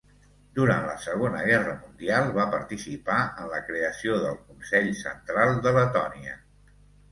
Durant la Segona Guerra mundial va participar en la creació del Consell Central de Letònia.